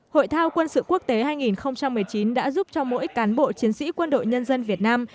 hội thao quân sự quốc tế hai nghìn một mươi chín đã giúp cho mỗi cán bộ chiến sĩ quân đội nhân dân việt nam